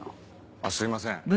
あっすいません。